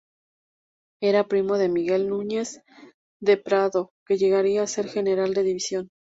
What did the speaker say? Era primo de Miguel Núñez de Prado, que llegaría a ser general de división.